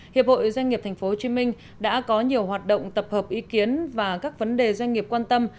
hiệp hội doanh nghiệp tp hcm đã có nhiều hoạt động tập hợp ý kiến và các vấn đề doanh nghiệp quan tâm